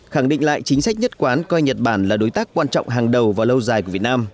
khẳng định lại chính sách nhất quán coi nhật bản là đối tác quan trọng hàng đầu và lâu dài của việt nam